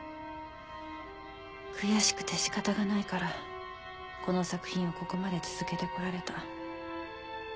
悔しくて仕方がないからこの作品をここまで続けてこられた。